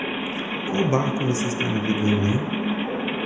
Qual barco você está navegando em?